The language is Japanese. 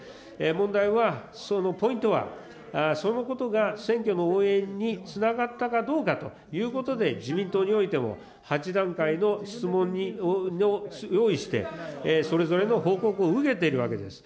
問題はそのポイントは、そのことが選挙の応援につながったかどうかということで、自民党においても８段階の質問を用意して、それぞれの報告を受けてるわけです。